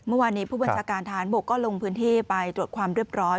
เมื่อวานนี้ผู้บัญชาการทหารบกก็ลงพื้นที่ไปตรวจความเรียบร้อย